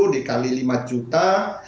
empat puluh dikali lima juta